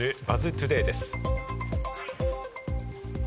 トゥデイです。